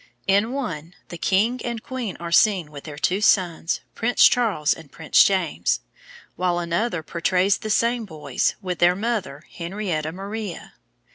In one, the king and queen are seen, with their two sons, Prince Charles and Prince James; while another portrays the same boys, with their mother, Henrietta Maria.